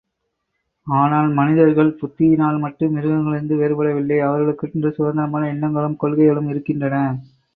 ஆனால் மனிதர்கள் புத்தியினால் மட்டும் மிருகங்களிலிருந்து வேறுபடவில்லையே, அவர்களுக்கென்று சுதந்திரமான எண்ணங்களும், கொள்கைகளும் இருக்கின்றன.